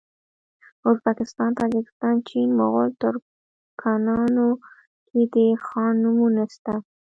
ازبکستان تاجکستان چین مغول ترکانو کي د خان نومونه سته